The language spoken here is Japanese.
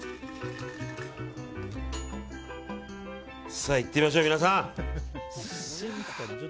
さあいってみましょう、皆さん。